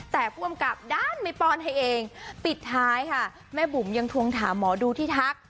แต่ผู้กำกับด้านไม่ป้อนให้เองปิดท้ายค่ะแม่บุ๋มยังทวงถามหมอดูที่ทัก